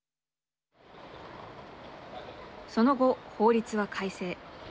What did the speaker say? その後、法律は改正。